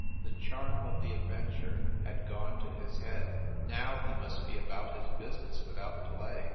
The charm of the adventure had gone to his head. Now he must be about his business without delay.